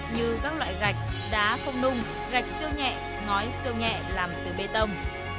như các loại gạch đá không nung gạch siêu nhẹ ngói siêu nhẹ làm từ bê tông